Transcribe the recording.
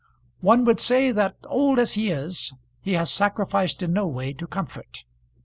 One would say that old as he is he has sacrificed in no way to comfort.